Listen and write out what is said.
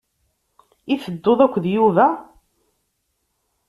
I tedduḍ akked Yuba?